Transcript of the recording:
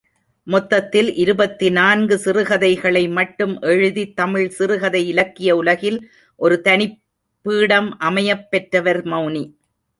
மொத்தத்தில் இருபத்திநான்கு சிறுகதைகளை மட்டும் எழுதி தமிழ் சிறுகதை இலக்கிய உலகில் ஒரு தனிபீடம் அமையப் பெற்றவர் மெளனி.